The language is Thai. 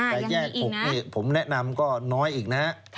แต่แยก๖นี่ผมแนะนำก็น้อยอีกนะฮะ